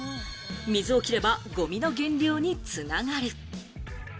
水を切ればゴミの減量に繋がる。